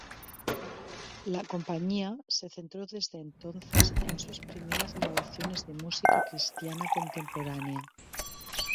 La compañía se centró desde entonces en sus primeras grabaciones de música cristiana contemporánea.